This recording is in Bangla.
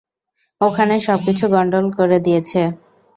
ওখানে সবকিছু গণ্ডগোল করে দিয়েছে।